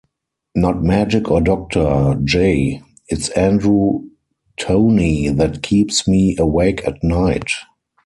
Not Magic or Doctor J, it's Andrew Toney that keeps me awake at night!